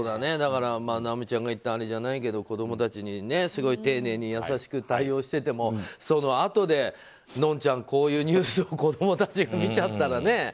だから、尚美ちゃんが言ったあれじゃないけど子供たちにすごい丁寧に優しく対応しててもそのあとでのんちゃん、こういうニュースを子供たちが見ちゃったらね。